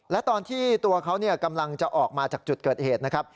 และตอนที่ตัวเขากำลังจะออกมาจากจุดเกิดเหตุนะครับ